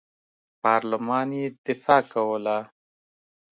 پارلمان یې دفاع کوله.